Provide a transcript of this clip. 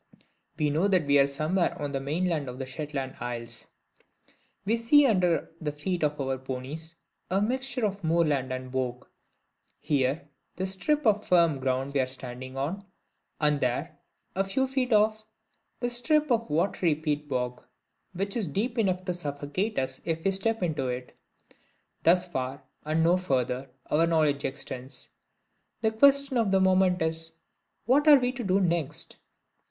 We know that we are somewhere on the mainland of the Shetland Isles. We see under the feet of our ponies a mixture of moorland and bog here, the strip of firm ground that we are standing on, and there, a few feet off, the strip of watery peat bog, which is deep enough to suffocate us if we step into it. Thus far, and no further, our knowledge extends. This question of the moment is, What are we to do next?